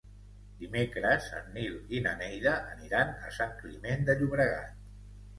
Dimecres en Nil i na Neida aniran a Sant Climent de Llobregat.